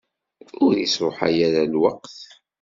Ur isṛuḥay ara lweqt.